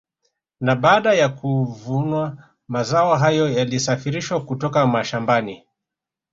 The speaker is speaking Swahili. Na baada ya kuvunwa mazao hayo yalisafirishwa kutoka mashamabani